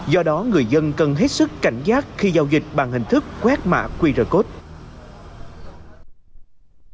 do đó người dân cần hết sức cảnh giác khi giao dịch bằng hình thức quét mã qr code